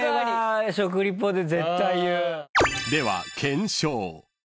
［では検証］